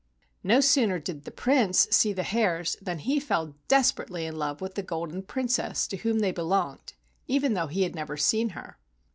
No sooner did the Prince see the hairs than he fell desperately in love with the Golden Prin¬ cess to whom they belonged, even though he had never seen her.